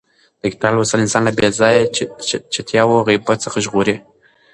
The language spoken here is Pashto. د کتاب لوستل انسان له بې ځایه چتیاو او غیبت څخه ژغوري.